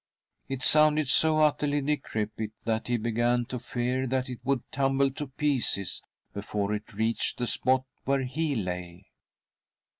It sounded so utterly decrepit that he began to fear that it would tumble to pieces before it reached the spot where he lay.